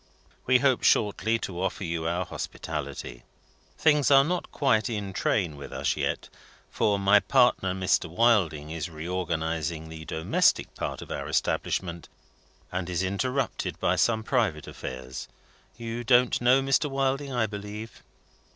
We hope shortly to offer you our hospitality. Things are not quite in train with us yet, for my partner, Mr. Wilding, is reorganising the domestic part of our establishment, and is interrupted by some private affairs. You don't know Mr. Wilding, I believe?"